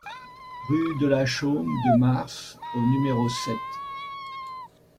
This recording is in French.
Rue de la Chaume de Mars au numéro sept